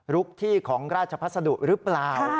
ลุกที่ของราชพัสดุหรือเปล่า